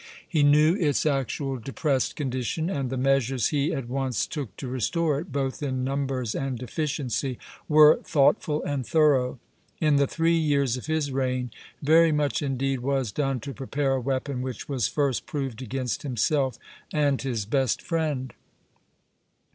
He knew its actual depressed condition; and the measures he at once took to restore it, both in numbers and efficiency, were thoughtful and thorough. In the three years of his reign very much indeed was done to prepare a weapon which was first proved against himself and his best friend.